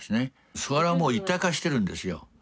それはもう一体化してるんですよ。